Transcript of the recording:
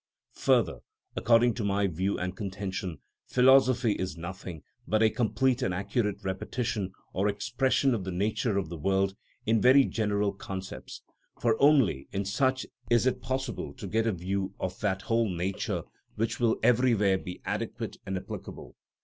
Further, according to my view and contention, philosophy is nothing but a complete and accurate repetition or expression of the nature of the world in very general concepts, for only in such is it possible to get a view of that whole nature which will everywhere be adequate and applicable.